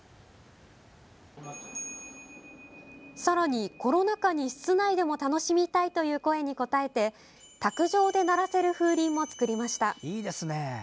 さらに、コロナ禍に、室内でも楽しみたいという声に応えて卓上で鳴らせる風鈴も作りました。